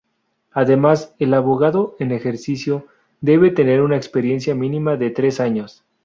Además, el abogado en ejercicio debe tener una experiencia mínima de tres años.